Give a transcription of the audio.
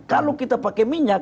kalau kita pakai minyak